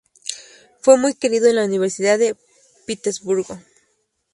Fue muy querido en la Universidad de Pittsburgh.